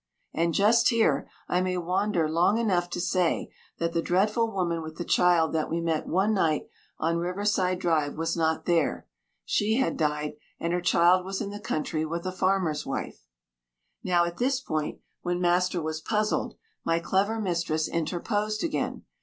(And just here, I may wander long enough to say that the dreadful woman with the child that we met one night on Riverside Drive was not there. She had died, and her child was in the country with a farmer's wife.) Now at this point, when master was puzzled, my clever mistress interposed again.